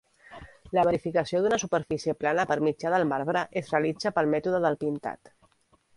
La verificació d'una superfície plana per mitjà del marbre es realitza pel mètode del pintat.